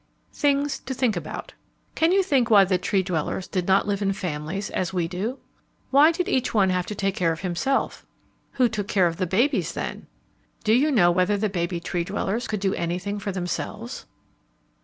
THINGS TO THINK ABOUT Can you think why the Tree dwellers did not live in families as we do? Why did each one have to take care of himself? Who took care of the babies then? Do you know whether the baby Tree dwellers could do anything for themselves?